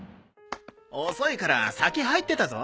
遅いから先入ってたぞ。